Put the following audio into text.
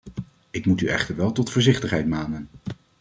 Ik moet u echter wel tot voorzichtigheid manen.